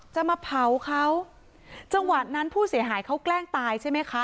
จะมาเผาเขาจังหวะนั้นผู้เสียหายเขาแกล้งตายใช่ไหมคะ